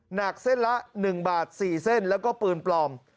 หนักเส้นละ๑บาท๔เส้นแล้วก็ปืนปลอม